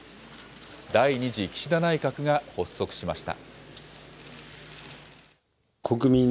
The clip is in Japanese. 第２次岸田内閣が発足しました。